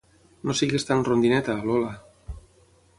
No siguis tan rondineta, Lola.